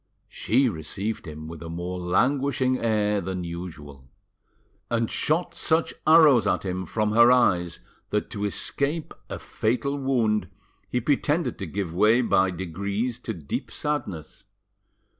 She received him with a more languishing air than usual, and shot such arrows at him froth her eyes that to escape a fatal wound he pretended to give way by degrees to deep sadness.